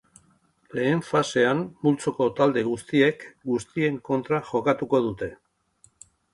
Lehen fasean multzoko talde guztiek guztien kontra jokatuko dute.